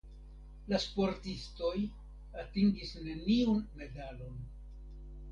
La sportistoj atingis neniun medalon.